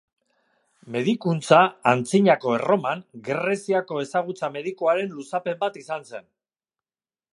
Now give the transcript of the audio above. Medikuntza, Antzinako Erroman, Greziako ezagutza medikuaren luzapen bat izan zen.